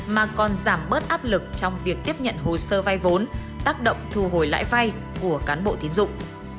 mà còn giảm bớt áp lực trong việc tiếp nhận hồ sơ vay vốn tác động thu hồi lãi vay của cán bộ tiến dụng